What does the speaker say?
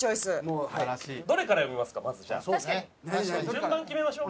順番決めましょう。